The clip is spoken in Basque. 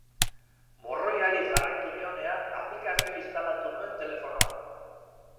Morroiari jarraitu nionean, aplikazioa instalatu nuen telefonoan.